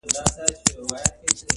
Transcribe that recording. ما پردی ملا لیدلی په محراب کي ځړېدلی،